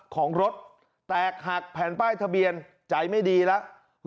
ของรถแตกหักแผ่นป้ายทะเบียนใจไม่ดีแล้ว